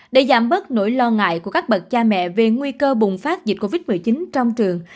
để giảm bớt nỗi lo ngại của các bậc cha mẹ về nguy cơ bùng phát dịch covid một mươi chín trong trường